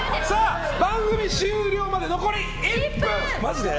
番組終了まで残り１分！